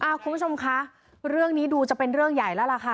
คุณผู้ชมคะเรื่องนี้ดูจะเป็นเรื่องใหญ่แล้วล่ะค่ะ